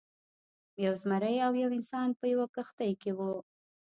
یو زمری او یو انسان په یوه کښتۍ کې وو.